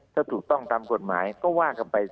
ถ้าถูกต้องตามกฎหมายก็ว่ากันไป